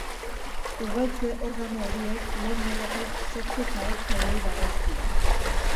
Ugaltze-organo horiek lehen mailako sexu-karaktereei dagozkie.